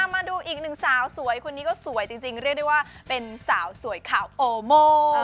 มาดูอีกหนึ่งสาวสวยคนนี้ก็สวยจริงเรียกได้ว่าเป็นสาวสวยข่าวโอโม